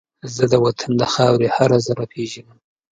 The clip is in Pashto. زه د وطن د خاورې هر زره پېژنم